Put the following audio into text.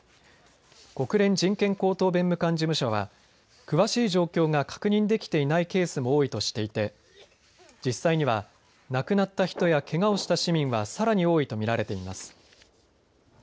国連人権高等弁務官事務所は詳しい状況が確認できていないケースも多いとしていて実際には、亡くなった人やけがをした市民はさらに多いと見られています。